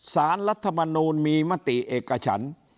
สารรัฐธรรมนูญมีมติเอกชัน